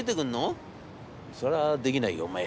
『それはできないよお前。